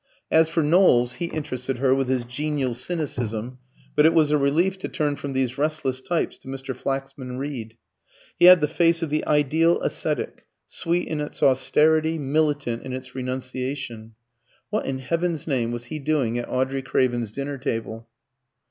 As for Knowles, he interested her with his genial cynicism; but it was a relief to turn from these restless types to Mr. Flaxman Reed. He had the face of the ideal ascetic sweet in its austerity, militant in its renunciation. What in heaven's name was he doing at Audrey Craven's dinner table?